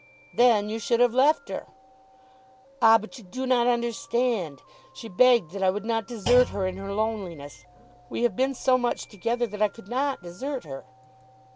"Then you should have left her." "Ah; but you do not understand. She begged that I would not desert her in her loneliness. We have been so much together that I could not desert her."